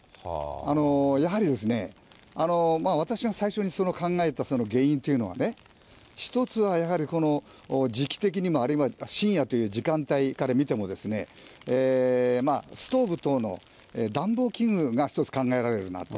やはりですね、私が最初に考えた原因というのはね、一つはやはり時期的にも、あるいは深夜という時間帯から見てもですね、ストーブ等の暖房器具が一つ考えられるなと。